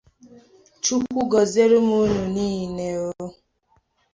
Maazị George Obiozoh